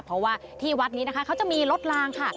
เพราะว่าที่วัดนี้นะคะเขาจะมีรถลางค่ะ